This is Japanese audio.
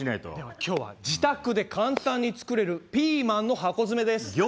では今日は自宅で簡単に作れるピーマンの箱詰めです。